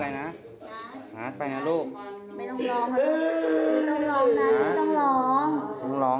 ไม่ต้องร้องนะลูกไม่ต้องร้องนะไม่ต้องร้อง